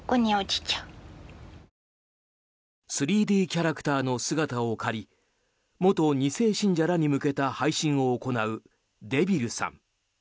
３Ｄキャラクターの姿を借り元２世信者らに向けた配信を行うデビルさん。